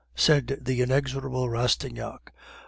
said the inexorable Rastignac.